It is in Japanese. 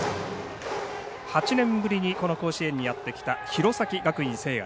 ８年ぶりにこの甲子園にやってきた弘前学院聖愛。